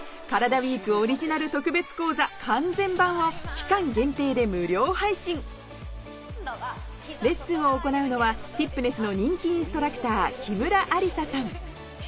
ＷＥＥＫオリジナル特別講座「完全版」を期間限定で無料配信レッスンを行うのはティップネスの人気インストラクター木村亜莉沙さん